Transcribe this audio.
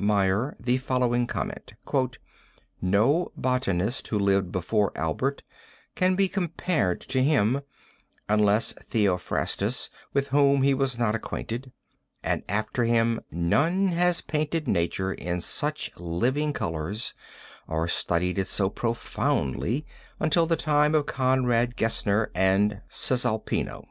Meyer the following comment: 'No Botanist who lived before Albert can be compared to him, unless Theophrastus, with whom he was not acquainted; and after him none has painted nature in such living colors or studied it so profoundly until the time of Conrad Gesner and Cesalpino.'